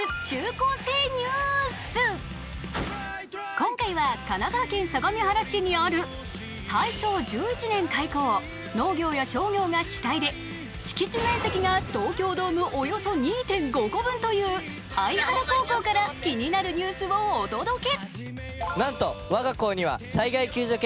今回は神奈川県相模原市にある、大正１１年開校、農業や商業が主体で敷地面積が東京ドームおよそ２．５個分という相原高校から気になるニュースをお届け。